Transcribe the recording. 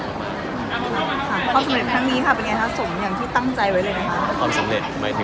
ครับคำสำเร็จทั้งนี้ครับเป็นไงนะครับสมอย่างที่